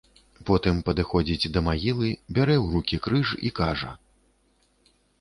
Потым падыходзіць да магілы, бярэ ў рукі крыж і кажа.